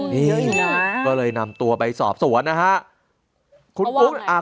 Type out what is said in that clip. นี่ก็เลยนำตัวไปสอบสวนนะฮะ